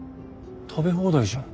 食べ放題じゃん。